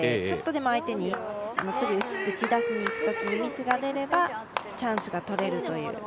ちょっとでも相手に打ち出しにいくときにミスが出ればチャンスがとれるという。